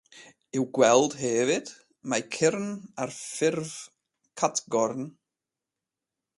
I'w gweld hefyd mae cyrn ar ffurf catgorn.